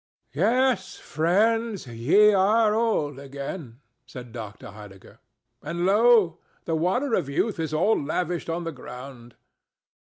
"Yes, friends, ye are old again," said Dr. Heidegger, "and, lo! the Water of Youth is all lavished on the ground.